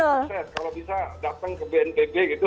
kalau bisa datang ke bnpb gitu